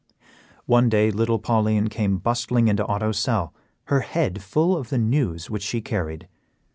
One day little Pauline came bustling into Otto's cell, her head full of the news which she carried.